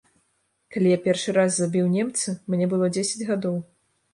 Калі я першы раз забіў немца, мне было дзесяць гадоў.